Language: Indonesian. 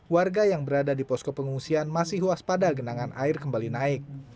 warga yang berada di posko pengungsian masih waspada genangan air kembali naik